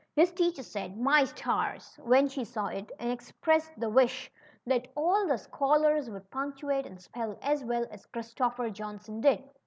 His teacher said My stars !" when she saw it; and expressed the wish that all the scholars would punctuate and spell as well as Christopher John son did.